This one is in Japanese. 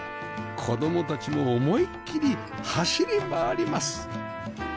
子供たちも思いっきり走り回ります